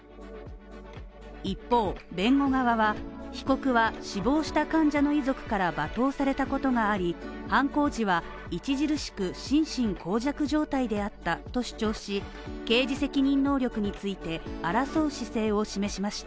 一方、弁護側は被告は、死亡した患者の遺族から罵倒されたことがあり、犯行時は著しく、心神耗弱状態であったと主張し、刑事責任能力について争う姿勢を示しました。